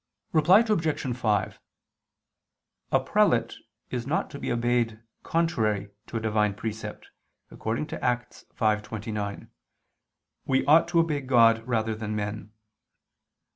Reply Obj. 5: A prelate is not to be obeyed contrary to a Divine precept, according to Acts 5:29: "We ought to obey God rather then men."